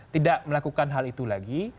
tidak melakukan hal itu lagi